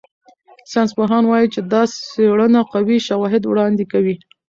ساینسپوهان وايي چې دا څېړنه قوي شواهد وړاندې کوي.